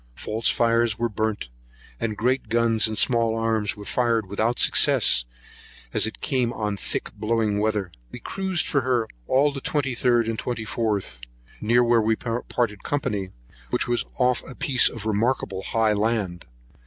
False fires were burnt, and great guns and small arms were fired without success, as it came on thick blowing weather. We cruised for her all the 23rd and 24th, near where we parted company, which was off a piece of remarkable high land.